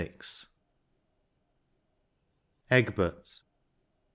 EGBERT.